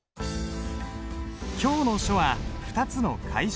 今日の書は２つの楷書。